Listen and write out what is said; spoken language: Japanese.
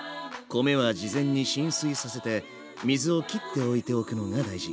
米は事前に浸水させて水をきっておいておくのが大事。